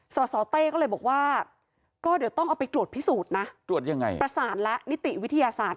สสเต้ก็เลยบอกว่าก็เดี๋ยวต้องเอาไปตรวจพิสูจน์นะตรวจยังไงประสานและนิติวิทยาศาสตร์